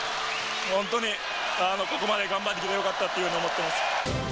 本当にここまで頑張ってきてよかったというふうに思ってます。